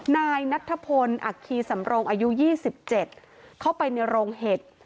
นายนัทธพลอัคคีสำรงอายุ๒๗เข้าไปในโรงเห็ด